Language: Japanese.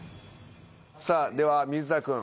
さあでは水田くん